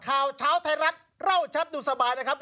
ข่าวเช้าไทยรัฐเล่าชัดดูสบายนะครับ